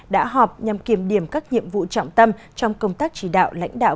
đã họp nhằm kiềm điểm các nhiệm vụ trọng tâm trong công tác chỉ đạo lãnh đạo